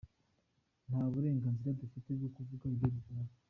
Nta burenganzira dufite bwo kuvuga ibyo dushaka.